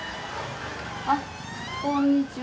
あっこんにちは。